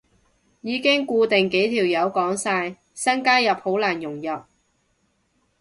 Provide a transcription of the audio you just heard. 已經固定幾條友講晒，新加入好難融入